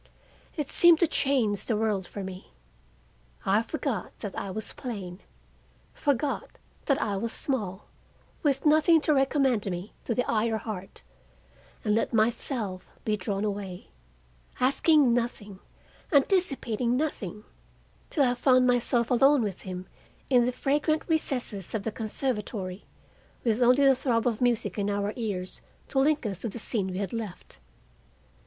It seemed to change the world for me. I forgot that I was plain, forgot that I was small, with nothing to recommend me to the eye or heart, and let myself be drawn away, asking nothing, anticipating nothing, till I found myself alone with him in the fragrant recesses of the conservatory, with only the throb of music in our ears to link us to the scene we had left.